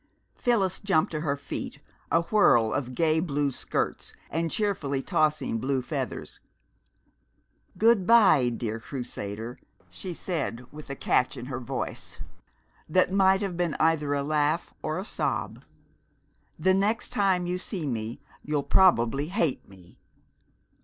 Phyllis jumped to her feet, a whirl of gay blue skirts and cheerfully tossing blue feathers. "Good by, dear Crusader!" she said with a catch in her voice that might have been either a laugh or a sob. "The next time you see me you'll probably hate me!